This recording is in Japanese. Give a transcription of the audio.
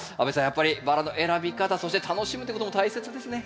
やっぱりバラの選び方そして楽しむっていうことも大切ですね。